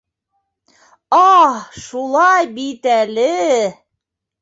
Аһ, шулай бит әле!